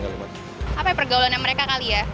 apa ya pergaulan yang mereka kali ya